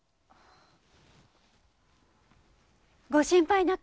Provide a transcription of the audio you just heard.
ご心配なく。